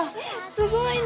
すごいね。